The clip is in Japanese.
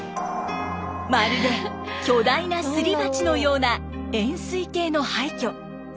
まるで巨大なすり鉢のような円すい形の廃虚。